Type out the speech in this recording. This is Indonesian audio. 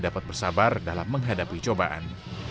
dapat bersabar dalam menghadapi cobaan